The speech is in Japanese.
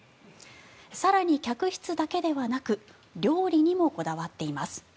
更に、客室だけではなく料理にもこだわっています。